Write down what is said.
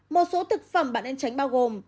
một số thực phẩm bạn nên tránh bao gồm